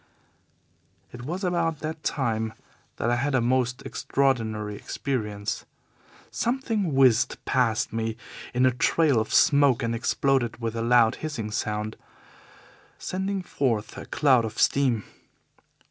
"It was about that time that I had a most extraordinary experience. Something whizzed past me in a trail of smoke and exploded with a loud, hissing sound, sending forth a cloud of steam.